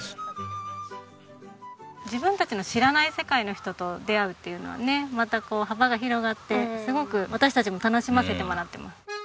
自分たちの知らない世界の人と出会うっていうのはねまたこう幅が広がってすごく私たちも楽しませてもらってます。